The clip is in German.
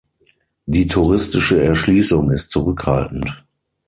Die touristische Erschliessung ist zurückhaltend.